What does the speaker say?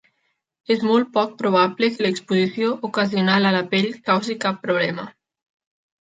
És molt poc probable que l'exposició ocasional a la pell causi cap problema.